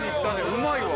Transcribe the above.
うまいわ。